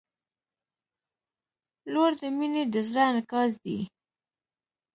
• لور د مینې د زړه انعکاس دی.